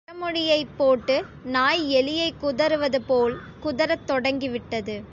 அந்தப் பழமொழியைப் போட்டு நாய் எலியைக் குதறுவதுபோல் குதறத் தொடங்கிவிட்டது.